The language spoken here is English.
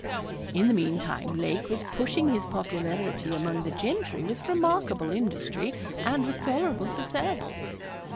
_' In the meantime Lake was pushing his popularity among the gentry with remarkable industry, and with tolerable success.